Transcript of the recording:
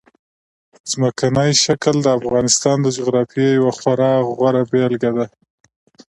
ځمکنی شکل د افغانستان د جغرافیې یوه خورا غوره بېلګه ده.